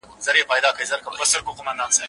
دولت او لارښود څه رول لري؟